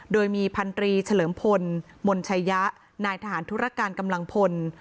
โดยมีพันธรีเฉลิมพลมนชัยะนายทหารธุรการกำลังพล